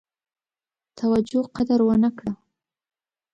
توجه قدر ونه کړه.